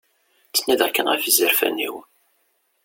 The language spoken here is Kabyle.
Ttnadiɣ kan ɣef yizerfan-iw.